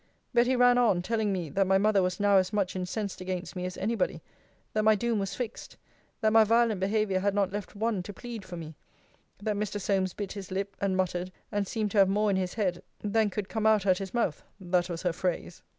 Betty ran on, telling me, that my mother was now as much incensed against me as any body that my doom was fixed that my violent behaviour had not left one to plead for me that Mr. Solmes bit his lip, and muttered, and seemed to have more in his head, than could come out at his mouth; that was her phrase.